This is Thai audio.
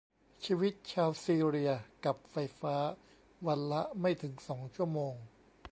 ชีวิตชาวซีเรียกับไฟฟ้าวันละไม่ถึงสองชั่วโมง